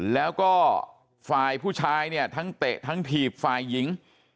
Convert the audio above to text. แล้วก็ฝ่ายผู้ชายเนี่ยทั้งเตะทั้งถีบฝ่ายหญิง